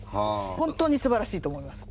本当にすばらしいと思います。